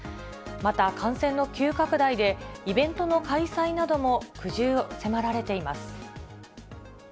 また、感染の急拡大で、イベントの開催なども苦汁を迫られています。